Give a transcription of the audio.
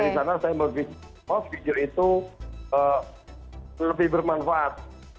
karena saya membuat video itu lebih bermanfaat